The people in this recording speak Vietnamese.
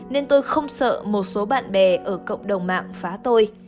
nên tôi không sợ một số bạn bè ở cộng đồng mạng phá tôi